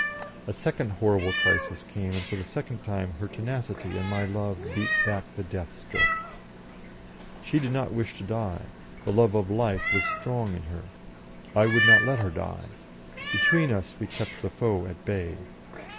A second horrible crisis came, and for the second time her tenacity and my love beat back the death stroke. She did not wish to die, the love of life was strong in her; I would not let her die; between us we kept the foe at bay.